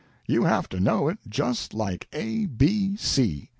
You have to know it just like A B C."